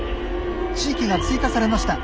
地域が追加されました。